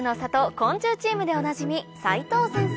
昆虫チームでおなじみ